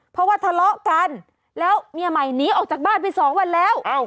เพราะว่าทะเลาะกันแล้วเมียใหม่หนีออกจากบ้านไปสองวันแล้ว